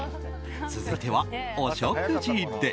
続いてはお食事です。